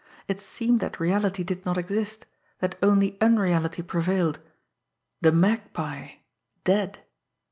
It seemed that reality did not exist; that only unreality prevailed. The Magpie dead!